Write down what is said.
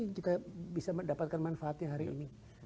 kita bisa mendapatkan manfaatnya hari ini